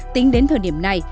tính đến thời điểm này